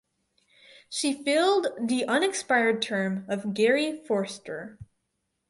She filled the unexpired term of Garey Forster.